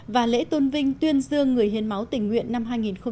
và lễ tôn vinh tuyên dương người hiến máu tình nguyện năm hai nghìn một mươi chín